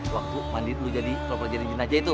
waktu mandi sendiribble jadi polatives di dinheiro saja itu